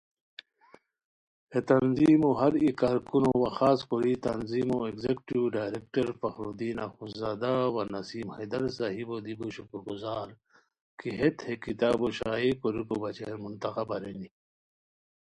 ہے تنظیمو ہر ای کارکنو وا خاص کوری تنظیمو ایگزیکٹیو ڈارئیکٹر فخرالدین اخونذادہ وا نسیم حیدر صاحبو دی بو شکرگزار کی ہیت ہیہ کتابو شائع کوریکو بچین منتخب ارینی